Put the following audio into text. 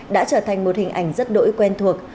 đã trở thành một hình ảnh rất đỗi quen thuộc